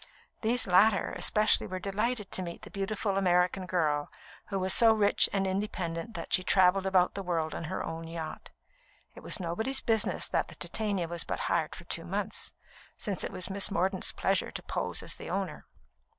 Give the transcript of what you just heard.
These latter especially were delighted to meet the beautiful American girl, who was so rich and independent that she travelled about the world on her own yacht. It was nobody's business that the Titania was but hired for two months, since it was Miss Mordaunt's pleasure to pose as the owner.